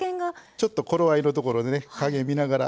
ちょっと頃合いのところでね加減見ながら。